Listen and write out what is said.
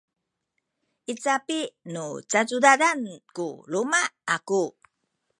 i capi nu cacudadan ku luma’ aku